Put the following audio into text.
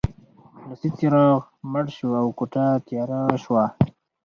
لاسي څراغ مړ شو او کوټه تیاره شوه